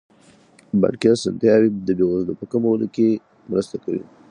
بانکي اسانتیاوې د بې وزلۍ په کمولو کې مرسته کوي.